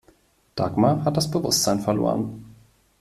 Dagmar hat das Bewusstsein verloren.